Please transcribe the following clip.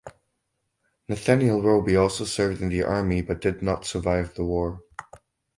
Nathaniel Robie also served in the Army but did not survive the war.